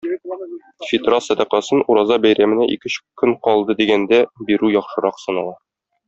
Фитра сәдакасын Ураза бәйрәменә ике-өч көн калды дигәндә бирү яхшырак санала.